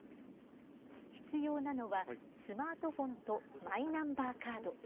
必要なのは、スマートフォンと、マイナンバーカード。